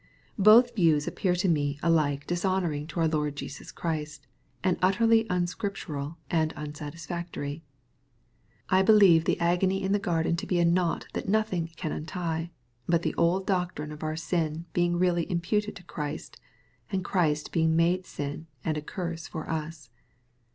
— ^Both views appear to me aUke dishonoring to our Lord Jesus Christ, and utterly unscriptural and unsatisfactory. I believe the agony in the garden to be a knot that nothing can untie, but the old doctrine of our sin being reaUy imputed to Christ, and Christ being made sin and a curse for us.